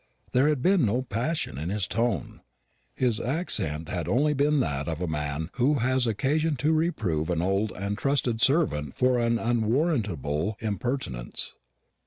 There had been no passion in his tone. His accent had been only that of a man who has occasion to reprove an old and trusted servant for an unwarrantable impertinence.